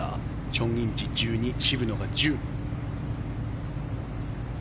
チョン・インジ、１２渋野が１０。